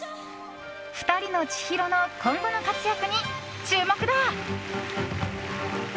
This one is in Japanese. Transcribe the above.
２人の千尋の今後の活躍に注目だ。